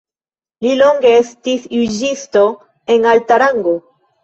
Li longe estis juĝisto en alta rango.